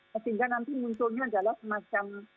sehingga nanti munculnya adalah semacam